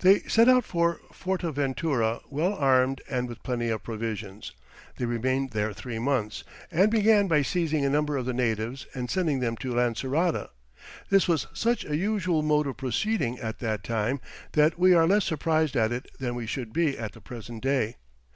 They set out for Fortaventura well armed and with plenty of provisions. They remained there three months, and began by seizing a number of the natives, and sending them to Lancerota. This was such a usual mode of proceeding at that time that we are less surprised at it than we should be at the present day.